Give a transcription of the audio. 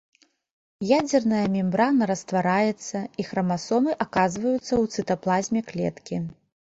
Ядзерная мембрана раствараецца, і храмасомы аказваюцца ў цытаплазме клеткі.